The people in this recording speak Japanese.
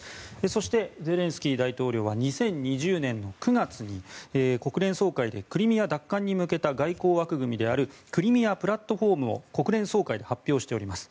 そして、ゼレンスキー大統領は２０２０年の９月に国連総会でクリミア奪還に向けた外交枠組みであるクリミア・プラットフォームを国連総会で発表しております。